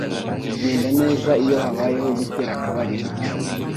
bigenda neza iyo habayeho gutera akabariro